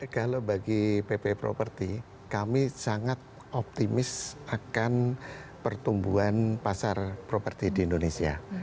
kalau bagi pp properti kami sangat optimis akan pertumbuhan pasar properti di indonesia